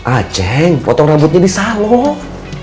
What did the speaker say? aceh potong rambutnya di salon